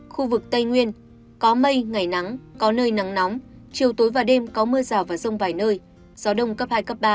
khu vực tây nguyên có mây ngày nắng có nơi nắng nóng chiều tối và đêm có mưa rào và rông vài nơi gió đông cấp hai cấp ba